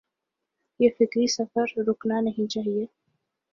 یہ فکری سفر رکنا نہیں چاہیے۔